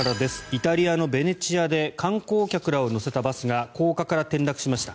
イタリアのベネチアで観光客らを乗せたバスが高架から転落しました。